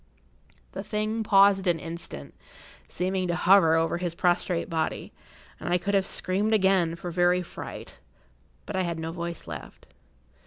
The thing paused an instant, seeming to hover over his prostrate body, and I could have screamed again for very fright, but I had no voice left.